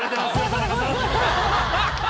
田中さん。